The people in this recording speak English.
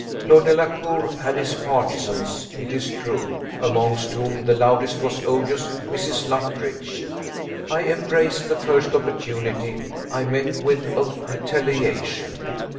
Lord Delacour had his partisans, it is true; amongst whom the loudest was odious Mrs. Luttridge. I embraced the first opportunity I met with of retaliation.